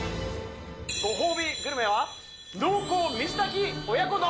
ご褒美グルメは濃厚水炊き